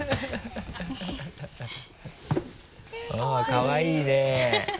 かわいいね。